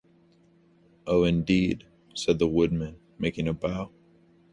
"Oh, indeed," said the Woodman, making a bow.